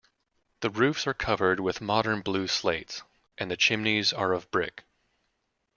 The roofs are covered with modern blue slates, and the chimneys are of brick.